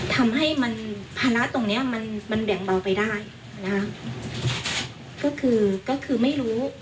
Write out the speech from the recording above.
ทำให้มันภาระตรงเนี้ยมันมันแบ่งเบาไปได้นะคะก็คือก็คือไม่รู้